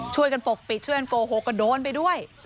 ปกปิดช่วยกันโกหกก็โดนไปด้วย